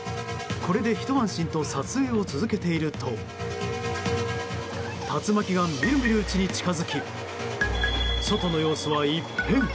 これでひと安心と撮影を続けていると竜巻が見る見るうちに近づき外の様子は一変。